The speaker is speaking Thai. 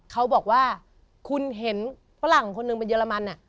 เขาบอกว่าคุณเห็นฝรั่งคนหนึ่งเป็นเรมัน